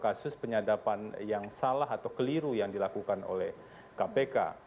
ini adalah satu kasus penyadapan yang salah atau keliru yang dilakukan oleh kpk